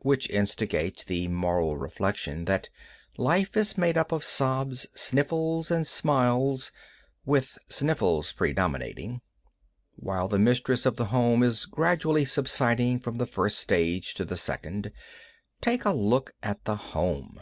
Which instigates the moral reflection that life is made up of sobs, sniffles, and smiles, with sniffles predominating. While the mistress of the home is gradually subsiding from the first stage to the second, take a look at the home.